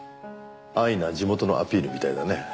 安易な地元のアピールみたいだね。